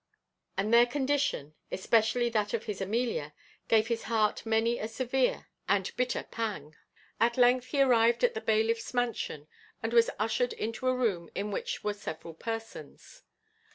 And their condition, especially that of his Amelia, gave his heart many a severe and bitter pang. At length he arrived at the bailiff's mansion, and was ushered into a room in which were several persons.